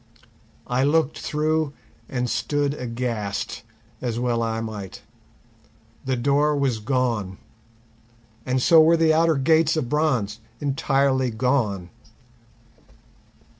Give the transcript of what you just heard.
I looked through and stood aghast, as well I might. The door was gone, and so were the outer gates of bronze—entirely gone.